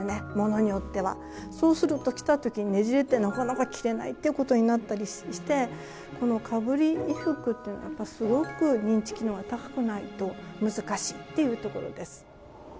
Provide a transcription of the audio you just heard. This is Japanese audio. そうすると着た時にねじれてなかなか着れないっていうことになったりしてこのかぶり衣服っていうのはやっぱりすごく認知機能が高くないと難しいっていうところです。